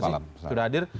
terima kasih sudah hadir